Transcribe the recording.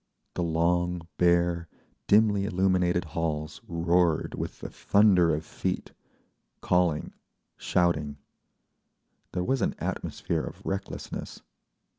The long, bare, dimly illuminated halls roared with the thunder of feet, calling, shouting…. There was an atmosphere of recklessness.